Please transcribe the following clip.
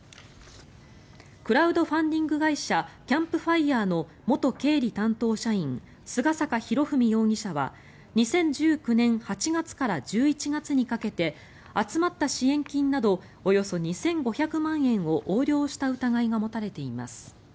クラウドファンディング会社キャンプファイヤーの元経理担当社員菅坂博史容疑者は２０１９年８月から１１月にかけて集まった支援金などおよそ２５００万円を横領した疑いが持たれています。